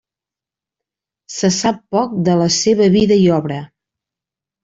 Se sap poc de la seva vida i obra.